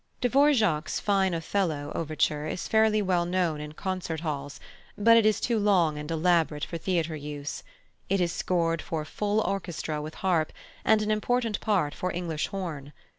+Dvorák's+ fine Othello overture is fairly well known in concert halls, but is too long and elaborate for theatre use. It is scored for full orchestra with harp, and an important part for English horn.